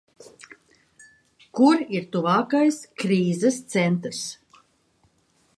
Kur ir tuvākais krīzes centrs?